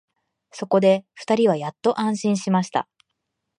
そこで二人はやっと安心しました